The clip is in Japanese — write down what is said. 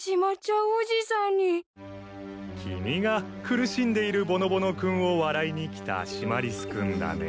君が苦しんでいるぼのぼの君を笑いに来たシマリス君だね。